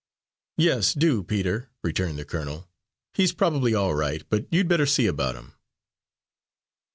"Yes, do, Peter," returned the colonel. "He's probably all right, but you'd better see about him."